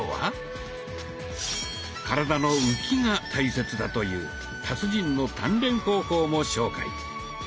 体の「浮き」が大切だという達人の鍛錬方法も紹介。